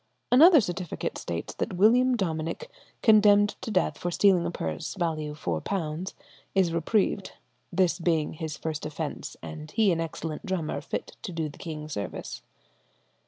Another certificate states that William Dominic, condemned to death for stealing a purse, value £4, is reprieved, "this being his first offence, and he an excellent drummer, fit to do the king service."